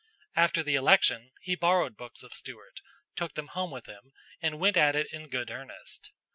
After the election, he borrowed books of Stuart, took them home with him, and went at it in good earnest.